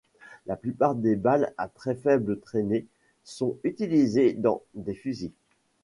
La plupart des balles à très faible traînée sont utilisées dans des fusils.